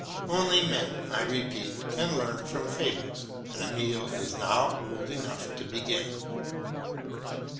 Only men, I repeat, can learn from fables, and Emile is now old enough to begin.